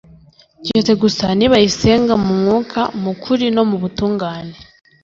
keretse gusa nibayisenga mu mwuka, mu kuri no mu butungane